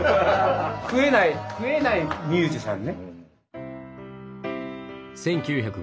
食えないミュージシャンね。